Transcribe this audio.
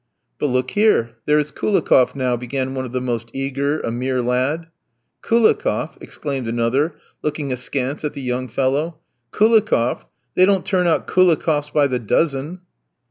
"But, look here; there is Koulikoff now," began one of the most eager, a mere lad. "Koulikoff!" exclaimed another, looking askance at the young fellow. "Koulikoff! They don't turn out Koulikoffs by the dozen."